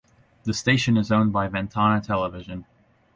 The station is owned by Ventana Television.